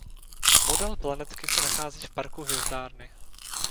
Model planetky se nachází v parku hvězdárny.